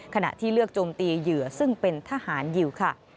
ขณะที่เลือกโจมตีเหยื่อซึ่งเป็นทหารยิวค่ะ